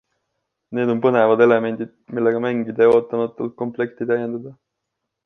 Need on põnevad elemendid, millega mängida ja ootamatult komplekti täiendada.